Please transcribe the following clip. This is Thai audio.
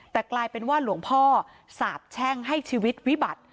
แต่กลายเป็นว่าหลวงพ่อสาบแช่งให้ชีวิตวิบัติ